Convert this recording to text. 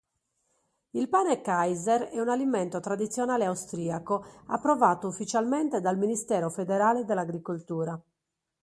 Il pane kaiser è un alimento tradizionale austriaco approvato ufficialmente dal Ministero federale dell'agricoltura.